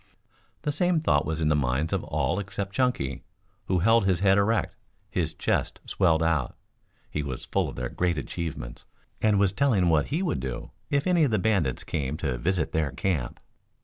The same thought was in the minds of all except Chunky, who held his head erect, his chest swelled out. He was full of their great achievements and was telling what he would do if any of the bandits came to visit their camp.